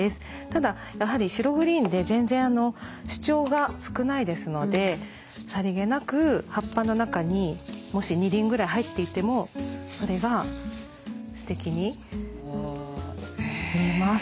ただやはり白グリーンで全然主張が少ないですのでさりげなく葉っぱの中にもし２輪ぐらい入っていてもそれがすてきに見えます。